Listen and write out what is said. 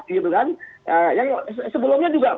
gitu kan yang sebelumnya juga